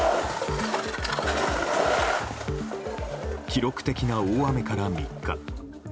記録的な大雨から３日。